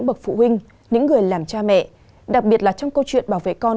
bậc phụ huynh những người làm cha mẹ đặc biệt là trong câu chuyện bảo vệ con